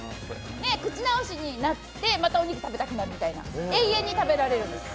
口直しになって、またお肉食べたくなる、永遠に食べられるんですよ。